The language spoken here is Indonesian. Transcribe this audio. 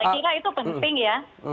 kira itu penting ya